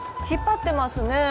引っ張ってますね。